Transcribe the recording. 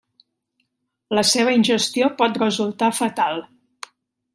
La seva ingestió pot resultar fatal.